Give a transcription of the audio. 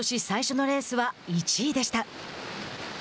最初のレースは１位でした。